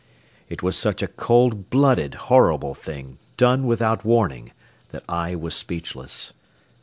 It was such a cold blooded, horrible thing, done without warning, that I was speechless.